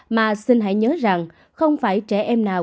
mà xin hãy nhớ rằng không phải trẻ em nào